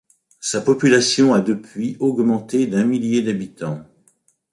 Sa population a depuis augmenté d'un millier d'habitants.